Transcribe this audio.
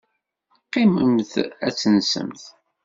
Qqimemt ad tensemt.